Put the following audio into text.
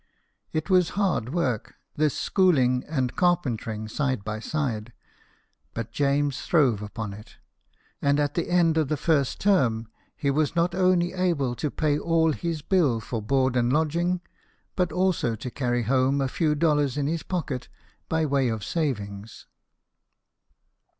It was hard work, this schooling and carpentering side by side ; but James throve upon it ; and at the end of the first term he was not only able to pay all his bill for board and lodging, but also to carry home a few dollars in his pocket by way of savings.